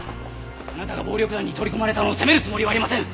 あなたが暴力団に取り込まれたのを責めるつもりはありません。